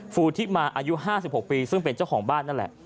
ฟูทิมาอายุ๕๖ปีซึ่งเป็นเจ้าของบ้านนั่นแหละ